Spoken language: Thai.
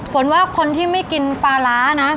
ฝนว่าคนที่ไม่กินปลาร้านะ